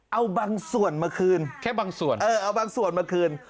เอาบางส่วนมาคืนแค่บางส่วนเออเอาบางส่วนมาคืน